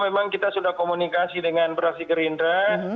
memang kita sudah komunikasi dengan fraksi gerindra